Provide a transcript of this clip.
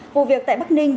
hụ việc tại bắc ninh